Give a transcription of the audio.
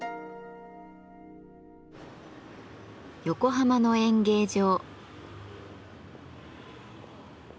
横浜の演芸場。